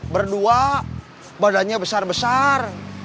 berdua badannya besar besar